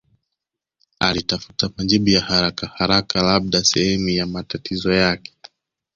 Alitafuta majibu ya harakaharaka labda sehemu ya matatizo yake